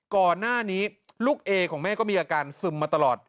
ก่อนหน้านี้ลูกเอของแม่ก็มีอาการซึมมาตลอด